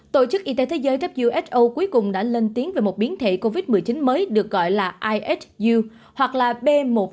tổ chức y tế thế giới who cuối cùng đã lên tiếng về một biến thể covid một mươi chín mới được gọi là ihu hoặc là b một sáu nghìn bốn trăm linh hai